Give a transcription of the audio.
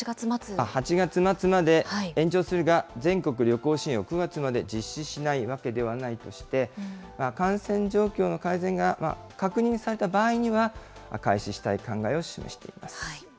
８月末まで全国旅行支援を９月まで実施しないわけではないとして、感染状況の改善が確認された場合には開始したい考えを示しています。